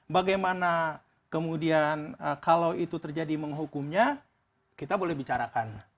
bagaimana kemudian kalau itu terjadi menghukumnya kita boleh bicarakan